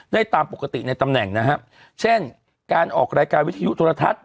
ได้ตามปกติในตำแหน่งนะครับเช่นการออกรายการวิทยุโทรทัศน์